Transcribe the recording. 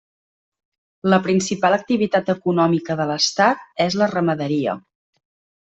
La principal activitat econòmica de l'estat és la ramaderia.